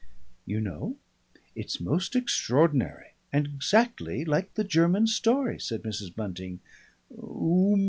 "You know it's most extraordinary and exactly like the German story," said Mrs. Bunting.